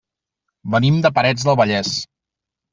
Venim de Parets del Vallès.